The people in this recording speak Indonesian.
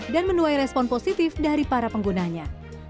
dan menuai respon positif dari para penggunanya